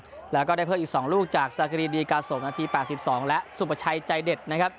แล้วก็ได้เพิ่มอีก๒ลูกจากซากรีดีกาสมนาที๘๒และสุประชัยใจเด็ดนะครับ